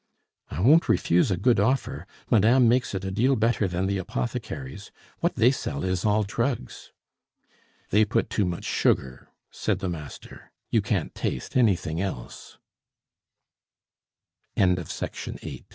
"I won't refuse a good offer; madame makes it a deal better than the apothecaries. What they sell is all drugs." "They put too much sugar," said the master; "you can't taste an